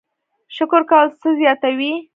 شکر کول څه زیاتوي؟